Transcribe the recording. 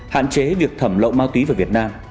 với việc thẩm lộ ma túy vào việt nam